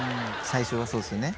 最初はそうですよね。